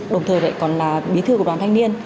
đồng thời lại còn là bí thư của đoàn thanh niên